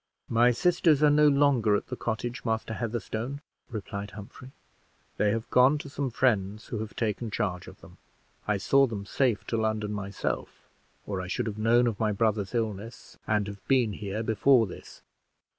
"My sisters are no longer at the cottage, Master Heatherstone," replied Humphrey; "they have gone to some friends who have taken charge of them. I saw them safe to London myself, or I should have known of my brother's illness and have been here before this."